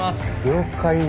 了解。